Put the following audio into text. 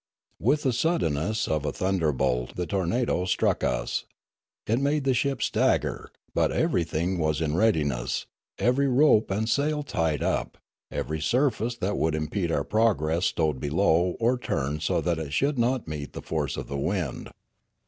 With the suddenness of a thunderbolt the tornado struck us. It made the ship stagger ; but everything was in readiness, every rope and sail tied up, every surface that would impede our progress stowed below or turned so that it should not meet the force of the wind.